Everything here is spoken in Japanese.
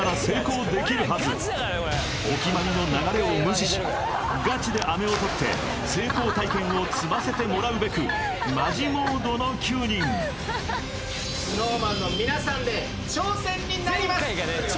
じゃあガチで飴を取って成功体験を積ませてもらうべくマジモードの９人ＳｎｏｗＭａｎのみなさんで挑戦になります